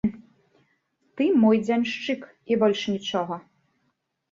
Ты мой дзяншчык, і больш нічога.